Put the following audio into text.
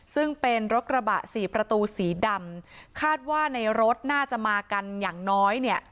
ซึ่งเป็นรถกระบะสี่ประตูสีดำคาดว่าในรถน่าจะมากันอย่างน้อยเนี่ย